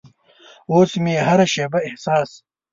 اوس مې هره شیبه احساس